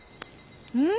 うん？